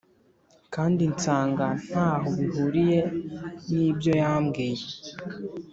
kandi nsanga ntaho bihuriye nibyo yambwiye